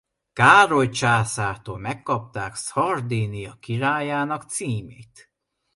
Károly császártól megkapták Szardínia királyának címét.